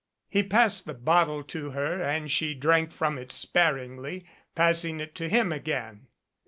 He passed the bottle to her and she drank from it sparingly, passing it to him again.